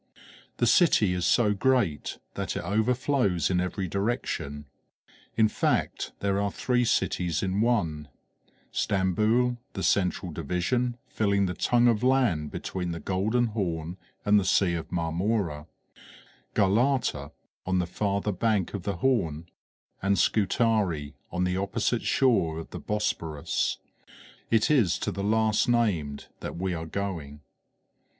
The city is so great that it overflows in every direction; in fact, there are three cities in one: Stamboul, the central division, filling the tongue of land between the Golden Horn and the Sea of Marmora; Galata, on the farther bank of the Horn; and Scutari, on the opposite shore of the Bosporus. It is to the last named that we are going.